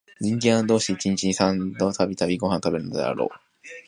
人間は、どうして一日に三度々々ごはんを食べるのだろう